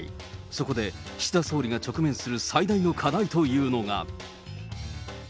そこで岸田総理が直面する最大の課題というのが。